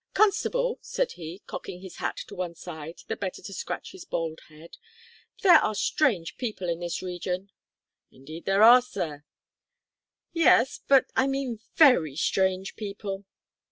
"Constable," said he, cocking his hat to one side the better to scratch his bald head, "there are strange people in this region." "Indeed there are, sir." "Yes, but I mean very strange people."